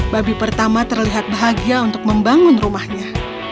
babi pertama terlihat bahagia untuk membangun rumahnya